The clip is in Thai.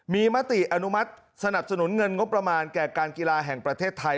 มีมติอนุมัติสนับสนุนเงินงบประมาณแก่การกีฬาแห่งประเทศไทย